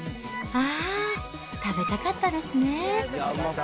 あー、食べたかったですね。